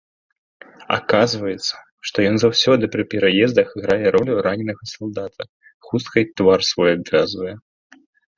Аказваецца, што ён заўсёды пры пераездах грае ролю раненага салдата, хусткай твар свой абвязвае.